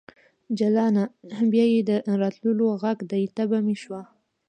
جلانه ! بیا یې د راتللو غږ دی تبه مې شوه